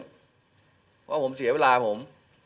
เพราะผมเสียเวลาผม